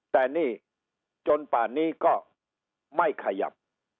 แต่นี่จนป่านนี้ก็ไม่ขยับ